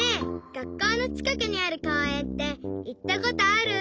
がっこうのちかくにあるこうえんっていったことある？